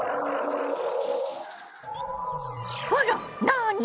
あらなに？